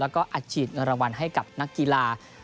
แล้วก็อาจฉีดรวรรณ์ให้กับนักกีฬา